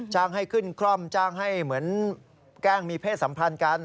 จ้างให้ขึ้นคล่อมจ้างให้แกล้งมีเพศสัมพันธ์กัน